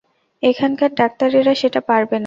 এখানকার ডাক্তারেরা সেটা পারবে না।